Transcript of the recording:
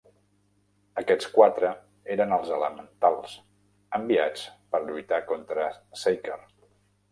Aquests quatre eren els Elementals, enviats per lluitar contra Saker.